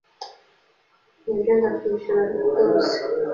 nibyo ndakwishyura yose